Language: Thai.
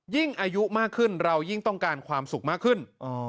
อายุมากขึ้นเรายิ่งต้องการความสุขมากขึ้น